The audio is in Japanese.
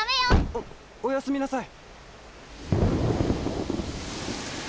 おっおやすみなさい。